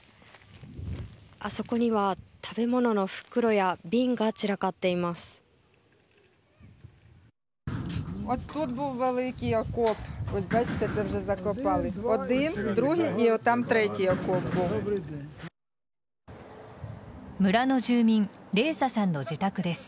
あそこには食べ物の袋や瓶が散らかっています。